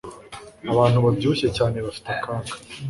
Abantu babyibushye cyane bafite akaga